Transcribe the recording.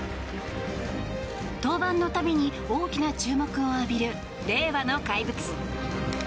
登板の度に大きな注目を浴びる令和の怪物。